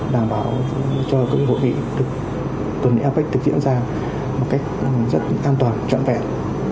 đảm bảo cho các hội nghị được tuần apec thực hiện ra một cách rất an toàn trọn vẹn